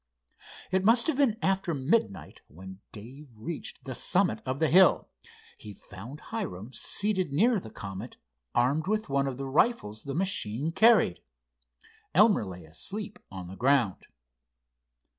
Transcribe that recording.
It must have been after midnight when Dave reached the summit of the hill. He found Hiram seated near the Comet, armed with one of the rifles the machine carried. Elmer lay asleep on the ground.